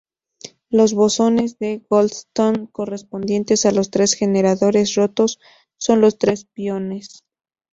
Los bosones de Goldstone correspondientes a los tres generadores rotos son los tres piones.